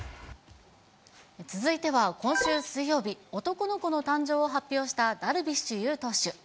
続いては今週水曜日、男の子の誕生を発表したダルビッシュ有投手。